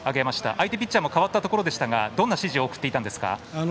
相手ピッチャーも代わったところでしたがどんな指示を送っていたんですか。